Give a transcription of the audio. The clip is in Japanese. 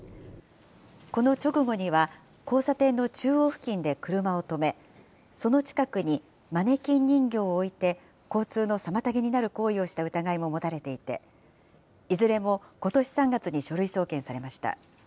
この直後には、交差点の中央付近で車を止め、その近くにマネキン人形を置いて、交通の妨げになる行為をした疑いも持たれていて、いずれもことし３月に書類送検されました。